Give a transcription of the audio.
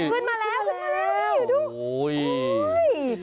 ขึ้นมาแล้วขึ้นมาแล้ว